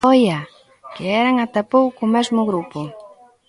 ¡Oia!, que eran ata hai pouco o mesmo grupo.